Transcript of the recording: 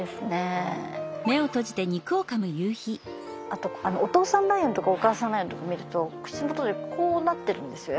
あとあのお父さんライオンとかお母さんライオンとか見ると口元でこうなってるんですよ